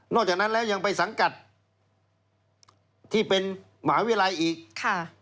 นอกจากนั้นยังไปสังกัดที่เป็นหมาวิรัยอีก